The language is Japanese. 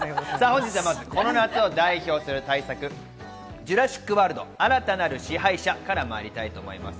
本日はまずこの夏を代表する大作『ジュラシック・ワールド／新たなる支配者』からまいります。